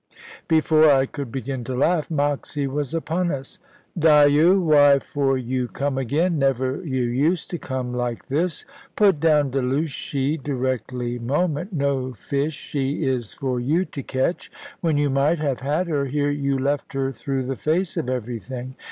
Before I could begin to laugh, Moxy was upon us. "Dyo! Why for you come again? Never you used to come like this. Put down Delushy, directly moment. No fish she is for you to catch. When you might have had her, here you left her through the face of everything.